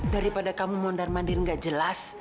daripada kamu mondar mandir nggak jelas